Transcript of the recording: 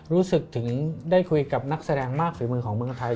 รู้สึกถึงได้คุยกับนักแสดงมากฝีมือของเมืองไทย